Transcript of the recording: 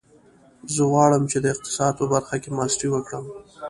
زه غواړم چې د اقتصاد په برخه کې ماسټري وکړم